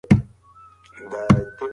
هغه د خپل ماموريت د بشپړولو لپاره کوښښ وکړ.